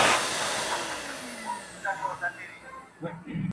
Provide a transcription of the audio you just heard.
او د خلکو په منځ کي پرېوځي